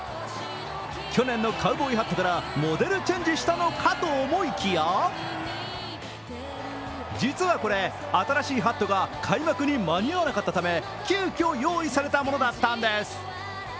去年のカウボーイハットからモデルチェンジしたのかと思いきや、実はこれ、新しいハットが開幕に間に合わなかったため急きょ、用意されたものだったんです。